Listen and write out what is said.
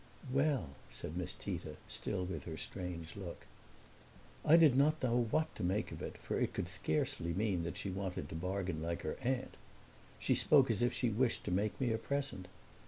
"Well!" said Miss Tita, still with her strange look. I did not know what to make of it, for it could scarcely mean that she wanted to bargain like her aunt. She spoke as if she wished to make me a present.